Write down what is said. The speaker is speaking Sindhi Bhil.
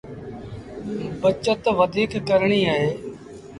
بچت وڌيٚڪ ڪرڻيٚ اهي